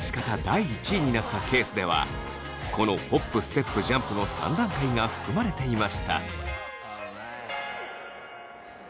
第１位になったケースではこのホップステップジャンプの３段階が含まれていました。